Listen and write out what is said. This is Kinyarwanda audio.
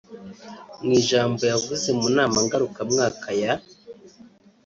Mu ijambo yavuze mu nama ngarukamwaka ya